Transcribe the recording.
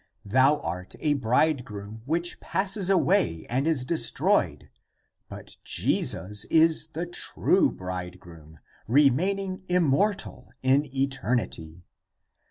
Thou art a bridegroom, which passes away, and is destroyed, but Jesus is the true bridegroom, remain ing immortal in eternity.